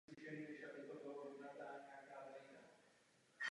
Nebyla bojově použita.